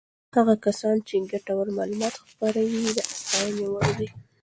هغه کسان چې ګټور معلومات خپروي د ستاینې وړ دي.